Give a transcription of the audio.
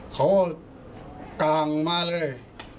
เขากลางมาเลย